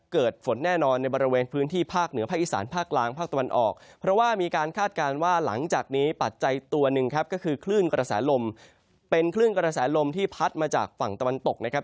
คลื่นกระแสลมที่พัดมาจากฝั่งตะวันตกนะครับ